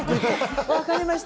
分かりました。